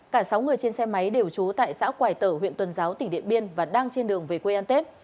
cả sáu người trên xe máy đều trú tại xã quài tở huyện tuần giáo tỉnh điện biên và đang trên đường về quê ăn tết